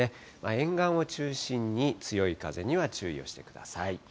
沿岸を中心に、強い風には注意をしてください。